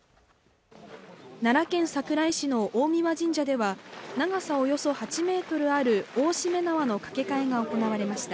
奈良県桜井市の大神神社では、長さおよそ８ｍある大注連縄の掛け替えが行われました。